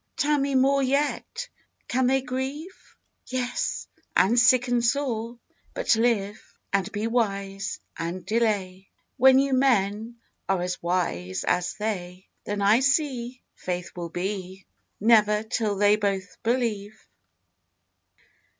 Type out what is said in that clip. Tell me more yet, can they grieve? Yes, and sicken sore, but live: And be wise and delay, When you men are as wise as they. Then I see Faith will be Never till they both believe.